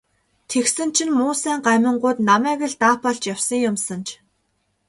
Тэгсэн чинь муусайн гамингууд намайг л даапаалж явсан юм санж.